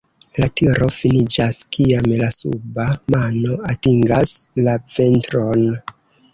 La tiro finiĝas kiam la suba mano atingas la ventron.